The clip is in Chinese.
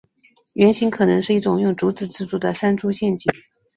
原型可能是一种用竹子制作的山猪陷阱。